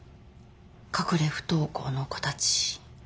隠れ不登校の子たち。